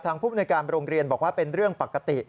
ผู้บริการโรงเรียนบอกว่าเป็นเรื่องปกติ